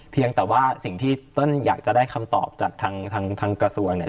เพียงแต่ว่าสิ่งที่เติ้ลอยากจะได้คำตอบจากทางกระทรวงเนี่ย